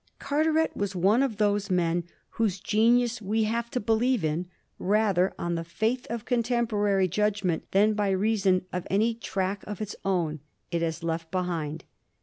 Carteret was one of those men whose genius we have to believe in rather on the faith of contemporary judg ment than by reason of any track of its own it has left behind.